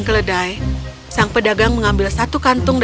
kami akan mengambil enam kantungnya